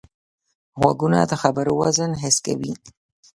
غوږونه د خبرو وزن حس کوي